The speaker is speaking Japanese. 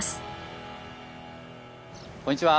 こんにちは。